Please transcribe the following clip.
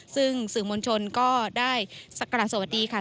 ซึ่งสื่อมวลชนก็ได้สักกระดาษสวัสดีค่ะ